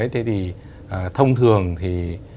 thế thì thông thường thì